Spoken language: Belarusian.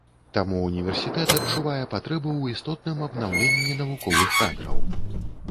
Таму універсітэт адчувае патрэбу ў істотным абнаўленні навуковых кадраў.